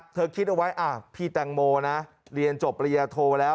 คิดเอาไว้พี่แตงโมนะเรียนจบปริญญาโทแล้ว